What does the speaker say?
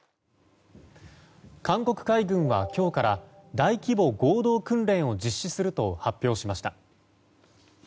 韓国海軍は今日から大規模合同訓練を実施すると発表しました。